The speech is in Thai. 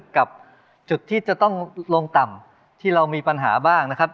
กับจุดที่จะต้องลงต่ำที่เรามีปัญหาบ้างนะครับ